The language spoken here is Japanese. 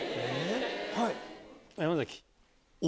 はい。